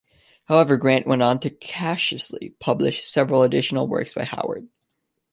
However, Grant went on to cautiously publish several additional works by Howard.